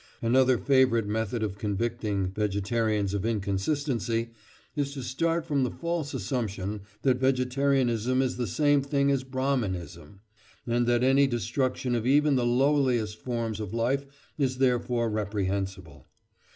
Another favourite method of convicting vegetarians of inconsistency is to start from the false assumption that vegetarianism is the same thing as Brahminism, and that any destruction of even the lowliest forms of life is therefore reprehensible.